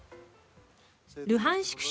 ルハンシク